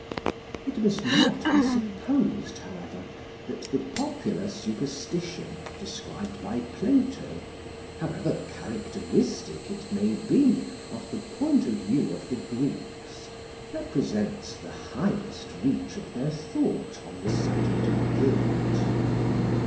It must not be supposed, however, that the popular superstition described by Plato, however characteristic it may be of the point of view of the Greeks, represents the highest reach of their thought on the subject of guilt.